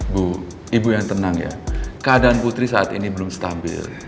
ibu ibu yang tenang ya keadaan putri saat ini belum stabil